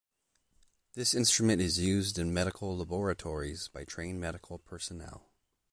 This instrument is used in medical laboratories by trained medical personnel.